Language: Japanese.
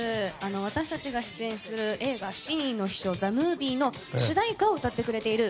私たちが出演する映画「七人の秘書ＴＨＥＭＯＶＩＥ」の主題歌を歌ってくれている